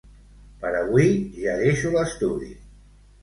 Per avui ja deixo l'estudi.